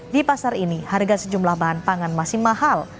di pasar ini harga sejumlah bahan pangan masih mahal